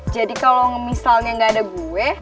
jadi kalau misalnya gak ada gue